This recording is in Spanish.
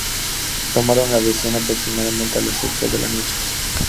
Tomaron la decisión aproximadamente a las ocho de la noche.